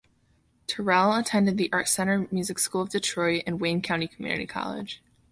Terrell attended the Art Center Music School of Detroit and Wayne County Community College.